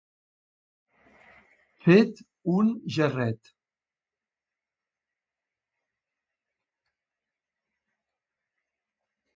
Fet un gerret.